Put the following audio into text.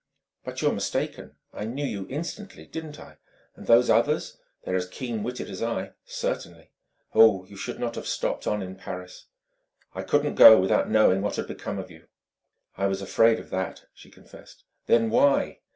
"But you're mistaken: I knew you instantly, didn't I? And those others they're as keen witted as I certainly. Oh, you should not have stopped on in Paris!" "I couldn't go without knowing what had become of you." "I was afraid of that," she confessed. "Then why